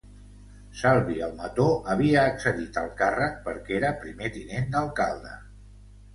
Salvi Almató havia accedit al càrrec perquè era primer tinent d'alcalde.